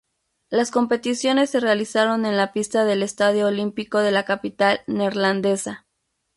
Las competiciones se realizaron en la pista del Estadio Olímpico de la capital neerlandesa.